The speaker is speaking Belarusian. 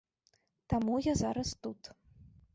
Таму я зараз тут.